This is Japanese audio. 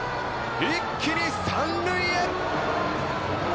一気に三塁へ！